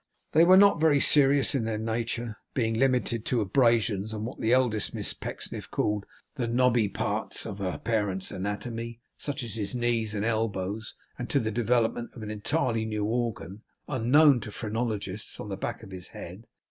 They were not very serious in their nature; being limited to abrasions on what the eldest Miss Pecksniff called 'the knobby parts' of her parent's anatomy, such as his knees and elbows, and to the development of an entirely new organ, unknown to phrenologists, on the back of his head.